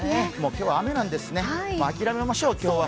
今日は雨なんですね、諦めましょう、今日は。